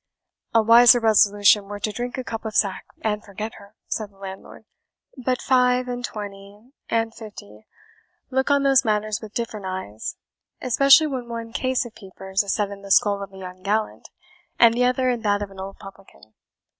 "A wiser resolution were to drink a cup of sack, and forget her," said the landlord. "But five and twenty and fifty look on those matters with different eyes, especially when one cast of peepers is set in the skull of a young gallant, and the other in that of an old publican.